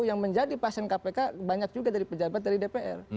yang menjadi pasien kpk banyak juga dari pejabat dari dpr